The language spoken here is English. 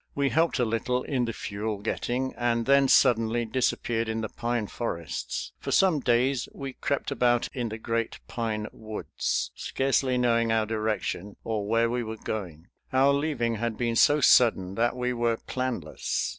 We helped a little in the fuel getting, and then suddenly disappeared in the pine forests. For some days we crept about in the great pine woods, scarcely knowing our direction or where we were going. Our leaving had been so sudden that we were planless.